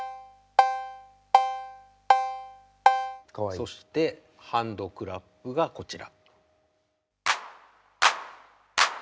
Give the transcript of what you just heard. そしてハンドクラップがこちら。